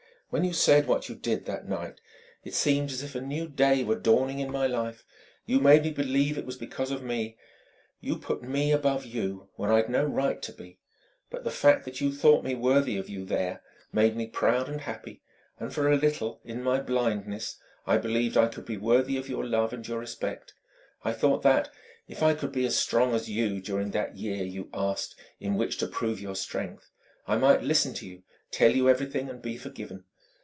When you said what you did, that night it seemed as if a new day were dawning in my life. You made me believe it was because of me. You put me above you where I'd no right to be; but the fact that you thought me worthy to be there, made me proud and happy: and for a little, in my blindness, I believed I could be worthy of your love and your respect. I thought that, if I could be as strong as you during that year you asked in which to prove your strength, I might listen to you, tell you everything, and be forgiven....